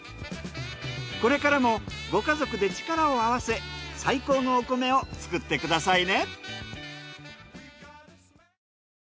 これからもご家族で力を合わせ最高のお米を作ってくださいね。